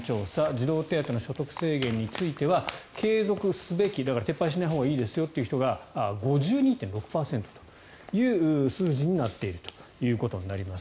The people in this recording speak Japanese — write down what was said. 児童手当の所得制限については継続すべき、撤廃しないほうがいいですよという人が５２．６％という数字になっているということになります。